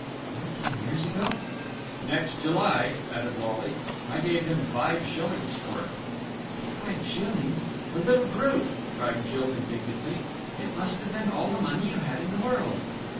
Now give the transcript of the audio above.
"Fourteen years ago?" "Next July," added Wally. "I gave him five shillings for it." "Five shillings! The little brute!" cried Jill indignantly. "It must have been all the money you had in the world!"